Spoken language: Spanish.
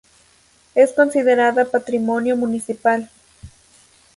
Es considerada Patrimonio Municipal.